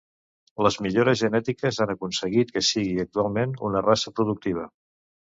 Les millores genètiques han aconseguit que sigui actualment una raça productiva.